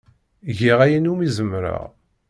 Giɣ ayen umi zemreɣ.